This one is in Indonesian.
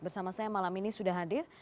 bersama saya malam ini sudah hadir